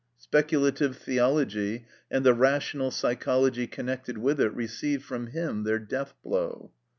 Speculative theology, and the rational psychology connected with it, received from him their deathblow.